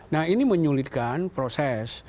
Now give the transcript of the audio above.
nah ini menyulitkan proses